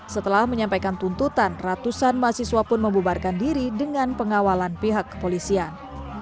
setelah menyampaikan tuntutan ratusan mahasiswa pun membubarkan diri dengan pengawalan pihak kepolisian